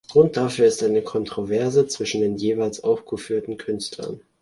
Grund dafür ist eine Kontroverse zwischen den jeweils aufgeführten Künstlern.